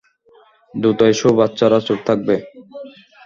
দ্রুত এসো, বাচ্চারা, চুপ থাকবে।